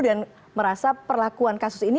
dan merasa perlakuan kasus ini